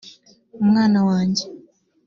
umwana wanjye